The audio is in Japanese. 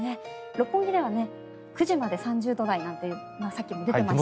六本木では９時まで３０度台なんてさっきも出ていましたが。